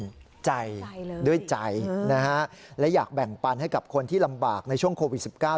ใจใจเลยด้วยใจนะฮะและอยากแบ่งปันให้กับคนที่ลำบากในช่วงโควิดสิบเก้า